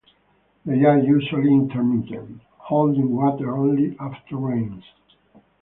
They are usually intermittent, holding water only after rains.